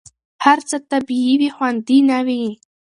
هر څه طبیعي وي، خوندي نه وي.